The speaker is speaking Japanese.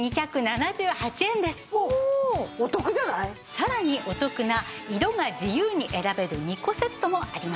さらにお得な色が自由に選べる２個セットもあります。